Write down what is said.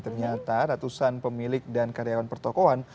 ternyata ratusan pemilik dan karyawan pertokohan